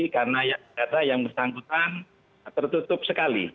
karena yang bersangkutan tertutup sekali